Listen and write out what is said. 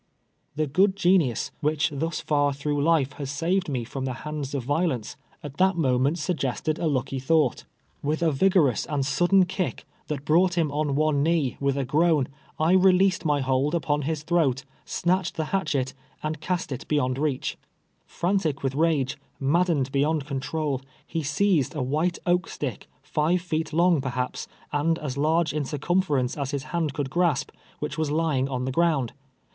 The good genius, which thus far 'through life has saved me from the hands of violence, at that moment 134 TWELVE YEARS A SLA^^:. sug2:esto(l a lucky tli<)ni!:lit. "With a vic^orous and sudden kick, that brDii^ ht him on one knee, with a groan, I released my hohl upon his throat, snatched the hatchet, and east it beyond reach. Frantic with rage, maddened beyond control, he seized a white oak stick, five feet long, perhaps, and as large in circumference as his hand conld grasp, which was lying on the ground.